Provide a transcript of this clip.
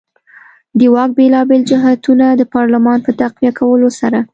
د واک بېلابېل جهتونه د پارلمان په تقویه کولو سره.